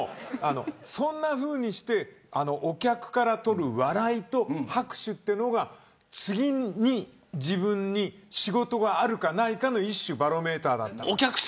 そんなふうにしてお客から取る笑いと拍手というのが次に自分に仕事があるかないかの一種、バロメーターだった。